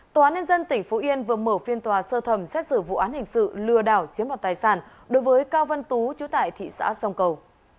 tòa án nhân dân tỉnh phú yên vừa mở phiên tòa sơ thẩm xét xử vụ án hình sự lừa đảo chiếm đoạt tài sản đối với cao văn tú chú tại thị xã sông cầu